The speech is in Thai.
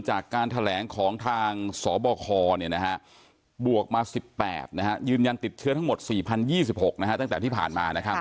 จากการแถลงของทางสบคบวกมา๑๘ยืนยันติดเชื้อทั้งหมด๔๐๒๖ตั้งแต่ที่ผ่านมา